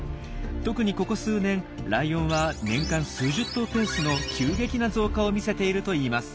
特にここ数年ライオンは年間数十頭ペースの急激な増加を見せているといいます。